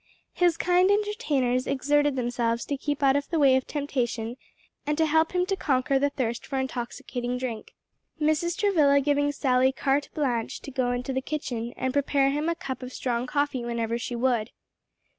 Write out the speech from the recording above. His kind entertainers exerted themselves to keep him out of the way of temptation and help him to conquer the thirst for intoxicating drink, Mrs. Travilla giving Sally carte blanche to go into the kitchen and prepare him a cup of strong coffee whenever she would.